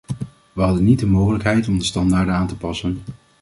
We hadden niet de mogelijkheid om de standaarden aan te passen.